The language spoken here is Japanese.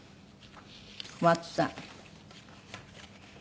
小松さん。